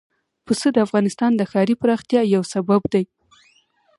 پسه د افغانستان د ښاري پراختیا یو سبب دی.